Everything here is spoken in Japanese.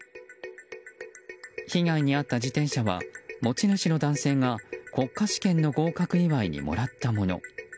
被害に遭った自転車は持ち主の男性が国家試験の合格祝いにもらったもの。